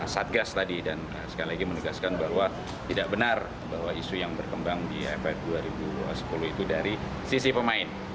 satgas tadi dan sekali lagi menegaskan bahwa tidak benar bahwa isu yang berkembang di aff dua ribu sepuluh itu dari sisi pemain